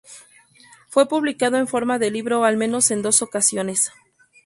Fue publicado en forma de libro al menos en dos ocasiones.